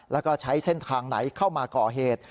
แล้วก็ใช้เส้นทางไหนเข้ามาก่อเหตุ